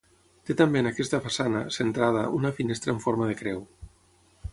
Té també en aquesta façana, centrada, una finestra en forma de creu.